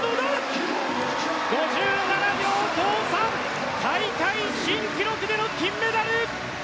５７秒５３大会新記録での金メダル！